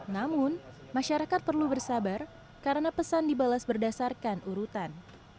namun masyarakat perlu bersabar karena pesan dibalas berdasarkan urutan